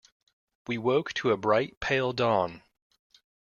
He woke to a bright, pale dawn.